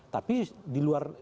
tapi di luar negara